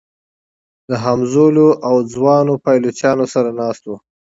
د همزولو او ځوانو پایلوچانو سره ناست و.